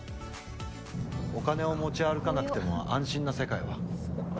お金を持ち歩かなくても安心な世界は？